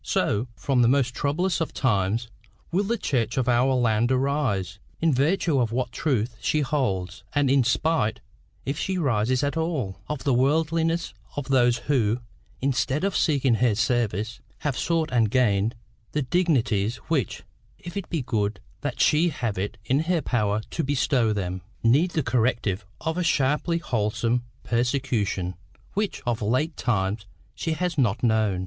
So, from the most troublous of times, will the Church of our land arise, in virtue of what truth she holds, and in spite, if she rises at all, of the worldliness of those who, instead of seeking her service, have sought and gained the dignities which, if it be good that she have it in her power to bestow them, need the corrective of a sharply wholesome persecution which of late times she has not known.